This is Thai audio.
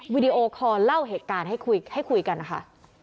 วิดีโอคอลเล่าเหตุการณ์ให้คุยกันนะคะ